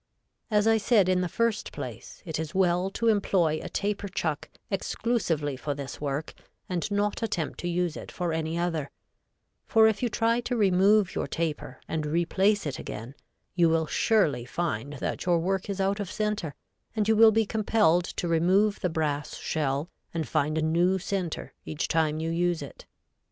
As I said in the first place, it is well to employ a taper chuck exclusively for this work, and not attempt to use it for any other, for if you try to remove your taper and replace it again, you will surely find that your work is out of center, and you will be compelled to remove the brass shell and find a new center each time you use it.